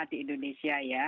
di indonesia ya